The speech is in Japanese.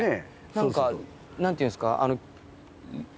何か何ていうんですか。